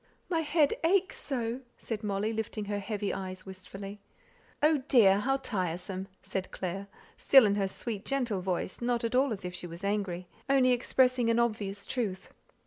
"My head aches so," said Molly, lifting her heavy eyes wistfully. "Oh, dear, how tiresome!" said Clare, still in her sweet gentle voice, not at all as if she was angry, only expressing an obvious truth.